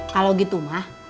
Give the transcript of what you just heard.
kalau gitu mah